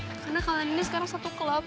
karena kalian ini sekarang satu klub